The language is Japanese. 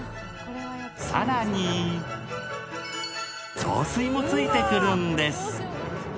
更に雑炊もついてくるんです。